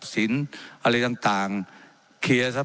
ว่าการกระทรวงบาทไทยนะครับ